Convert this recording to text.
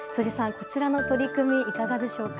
こちらの取り組みいかがですか？